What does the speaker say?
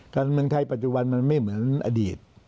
การเมืองไทยปัจจุบันมันไม่เหมือนอดีต